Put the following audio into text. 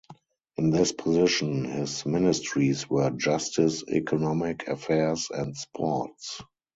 In this position his Ministries were Justice, Economic Affairs and Sports.